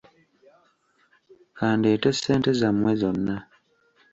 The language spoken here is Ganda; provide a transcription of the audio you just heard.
Ka ndeete ssente zammwe zonna.